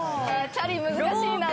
チャリ難しいな。